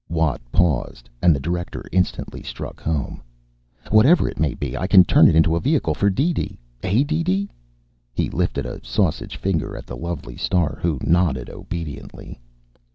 Watt paused, and the director instantly struck home. "Whatever it may be, I can turn it into a vehicle for DeeDee, eh, DeeDee?" He lifted a sausage finger at the lovely star, who nodded obediently.